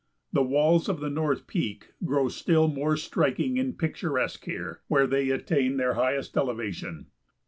The walls of the North Peak grow still more striking and picturesque here, where they attain their highest elevation.